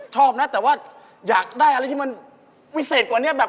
ชอบนะแต่ว่าอยากได้อะไรที่มันวิเศษกว่านี้แบบ